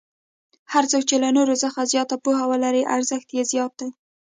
هر څوک چې له نورو څخه زیاته پوهه ولري ارزښت یې زیات دی.